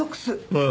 ああ。